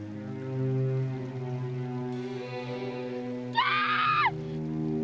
キャーッ‼